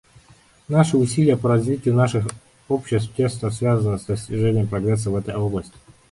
Наши усилия по развитию наших обществ тесно связаны с достижением прогресса в этой области.